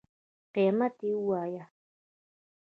قیمت یی ووایه